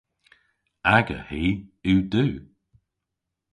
Aga hi yw du.